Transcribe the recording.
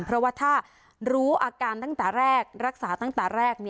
เพราะว่าถ้ารู้อาการตั้งแต่แรกรักษาตั้งแต่แรก